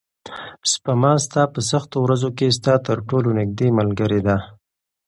سپما ستا په سختو ورځو کې ستا تر ټولو نږدې ملګرې ده.